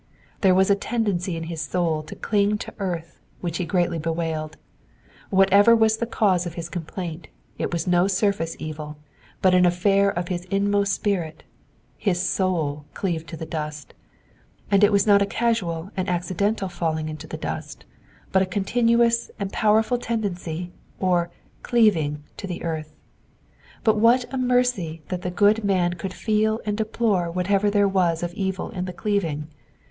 There was a tendency in his soul to cling to earth which he greatly bewailed. Whatever was the cause of his complaint, it was no surface evil, but an affair of his inmost spirit ; his 9ovl cleaved to the dust ; and it was not a casual and accidental falling into the dust, but a con , tinuous and powerful tendency, or cleaving to the earth. But what a mercy that the good man could feel and deplore whatever there was of evil in the cleaving